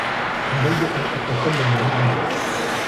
عليّ أن أتكلّمَ معه.